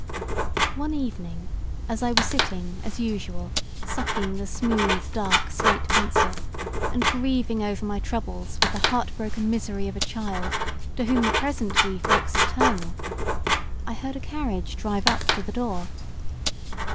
One evening as I was sitting as usual sucking the smooth, dark slate pencil, and grieving over my troubles with the heart broken misery of a child, to whom the present grief looks eternal, I heard a carriage drive up to the door.